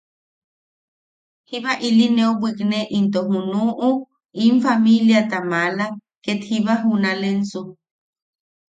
Jiba ili neu bwikne into junuʼu in famiiliata maala ket jiba junalensu.